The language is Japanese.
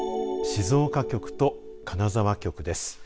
静岡局と金沢局です。